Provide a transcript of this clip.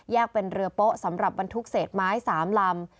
เป็นเรือโป๊ะสำหรับบรรทุกเศษไม้๓ลำ